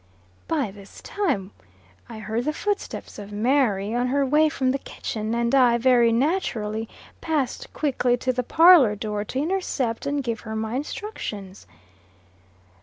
By this time I heard the footsteps of Mary on her way from the kitchen, and I very naturally passed quickly to the parlor door to intercept and give her my instructions.